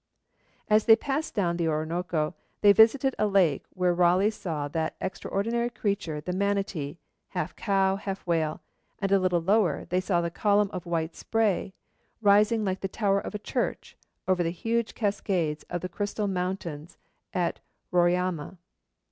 As they passed down the Orinoco, they visited a lake where Raleigh saw that extraordinary creature the manatee, half cow, half whale; and a little lower they saw the column of white spray, rising like the tower of a church, over the huge cascades of the crystal mountains of Roraima.